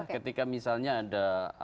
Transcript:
ketika misalnya ada